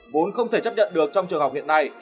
vốn không thể chấp nhận được trong trường học hiện nay